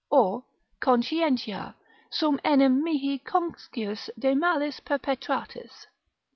Or: Conscientia, Sum enim mihi conscius de malis perpetratis.